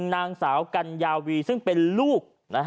นางสาวกัญญาวีซึ่งเป็นลูก